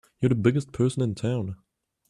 You're the biggest person in town!